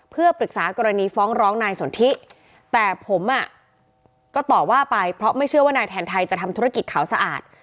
เพื่อปรึกษากรณีฟ้องร้องนายสนทิแต่ผมอ่ะก็ต่อว่าไปเพราะไม่เชื่อว่านายแทนไทยจะทำธุรกิจขาวสะอาด